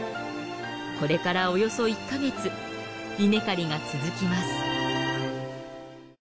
これからおよそ１カ月稲刈りが続きます。